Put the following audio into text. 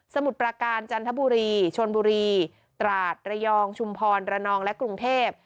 มุดประการจันทบุรีชนบุรีตราดระยองชุมพรระนองและกรุงเทพ